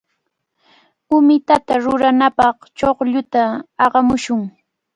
Umitata ruranapaq chuqlluta aqamushun.